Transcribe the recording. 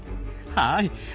はい。